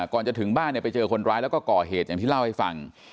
ก่อนจะถึงบ้านเนี่ยไปเจอคนร้ายแล้วก็ก่อเหตุอย่างที่เล่าให้ฟัง